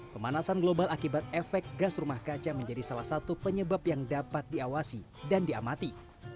pemanasan global akibat efek gas rumah kaca menjadi salah satu penyebab yang dapat diawasi dan diamati